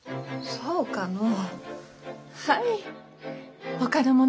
そうかのう？